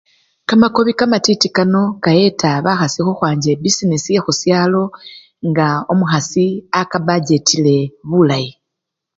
Kamakobi kamatiti kano kayeta bakhasi khukhwancha ebisinesi yekhusyalo nga omukhasi akabachetile bulayi.